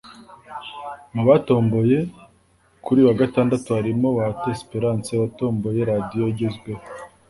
Mu batomboye kuri uyu wa Gatandatu harimo; Bahati Esperance watomboye radio igezweho